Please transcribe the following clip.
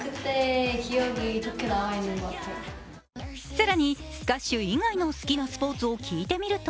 更に、スカッシュ以外の好きなスポーツを聞いてみると